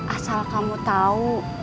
asal kamu tau